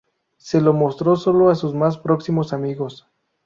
Se lo mostró sólo a sus más próximos amigos.